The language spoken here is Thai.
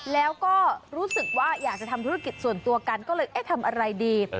แล้วก็รู้สึกว่าอยากจะทำธุรกิจส่วนตัวกันก็เลยเอ๊ะทำอะไรดี